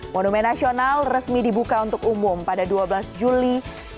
monumen nasional resmi dibuka untuk umum pada dua belas juli seribu sembilan ratus empat puluh